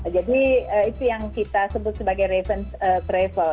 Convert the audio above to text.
jadi itu yang kita sebut sebagai revenge travel